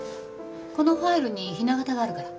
このファイルにひな型があるから。